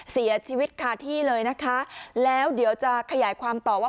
เสียชีวิตคาที่เลยนะคะแล้วเดี๋ยวจะขยายความต่อว่า